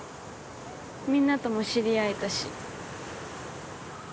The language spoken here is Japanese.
みんなとも知り合えたし。